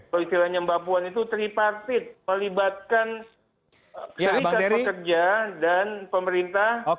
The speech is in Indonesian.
kalau istilahnya mbak puan itu tripartit melibatkan serikat pekerja dan pemerintah